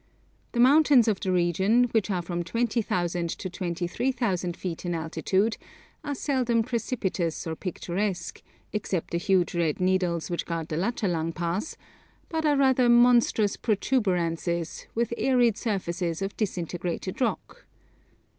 The mountains of the region, which are from 20,000 to 23,000 feet in altitude, are seldom precipitous or picturesque, except the huge red needles which guard the Lachalang Pass, but are rather 'monstrous protuberances,' with arid surfaces of disintegrated rock.